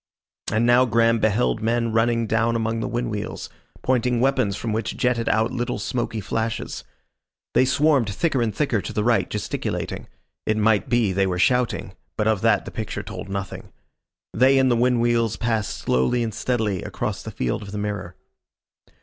And now Graham beheld men running down among the wind wheels, pointing weapons from which jetted out little smoky flashes. They swarmed thicker and thicker to the right, gesticulating it might be they were shouting, but of that the picture told nothing. They and the wind wheels passed slowly and steadily across the field of the mirror.